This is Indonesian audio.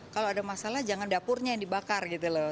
kalau ada masalah jangan dapurnya yang dibakar gitu loh